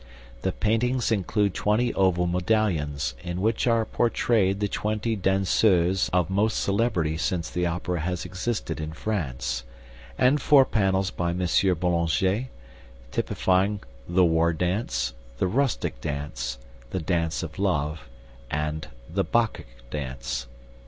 The paintings include twenty oval medallions, in which are portrayed the twenty danseuses of most celebrity since the opera has existed in France, and four panels by M. Boulanger, typifying 'The War Dance', 'The Rustic Dance', 'The Dance of Love' and 'The Bacchic Dance.'